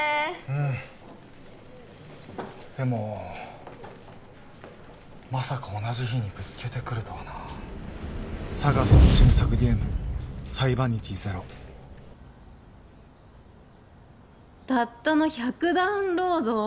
うんでもまさか同じ日にぶつけてくるとはなＳＡＧＡＳの新作ゲームサイバニティゼロたったの１００ダウンロード？